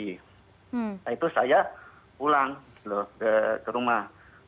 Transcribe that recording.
nah itu saya pulang ke rumah